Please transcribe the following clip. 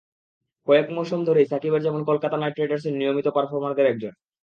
কয়েক মৌসুম ধরেই সাকিব যেমন কলকাতা নাইট রাইডার্সের নিয়মিত পারফরমারদের একজন।